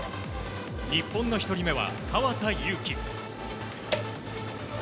日本の１人目は河田悠希。